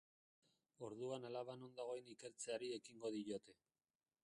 Orduan alaba non dagoen ikertzeari ekingo diote.